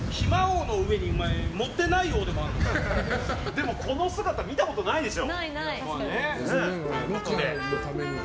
でもこの姿、見たことないでしょ。